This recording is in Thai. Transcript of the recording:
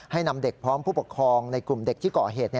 นำเด็กพร้อมผู้ปกครองในกลุ่มเด็กที่ก่อเหตุ